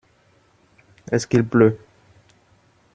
Est-ce qu’il pleut ?